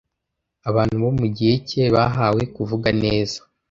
Abantu bo mugihe cye bahawe kuvuga neza.